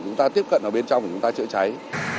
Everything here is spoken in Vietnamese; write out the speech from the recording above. chúng ta tiếp cận ở bên trong để chúng ta chữa cháy